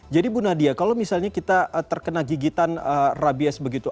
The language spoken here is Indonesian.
jadi bu nadia kalau misalnya kita terkena gigitan rabies begitu